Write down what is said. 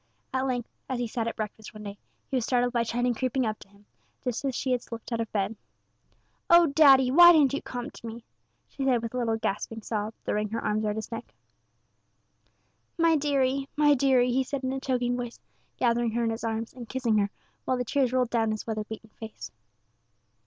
At length, as he sat at breakfast one day, he was startled by Tiny creeping up to him, just as she had slipped out of bed. "Oh, daddy, why didn't you come to me?" she said, with a little gasping sob, throwing her arms round his neck. "My deary, my deary," he said, in a choking voice, gathering her in his arms, and kissing her, while the tears rolled down his weather beaten face.